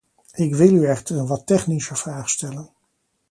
Ik wil u echter een wat technischer vraag stellen.